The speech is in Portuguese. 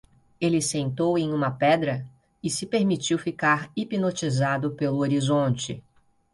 Ele sentou em uma pedra? e se permitiu ficar hipnotizado pelo horizonte.